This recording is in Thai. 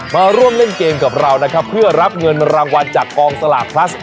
มาร่วมเล่นเกมกับเรานะครับเพื่อรับเงินรางวัลจากกองสลากพลัส